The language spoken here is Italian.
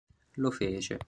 Lo fece.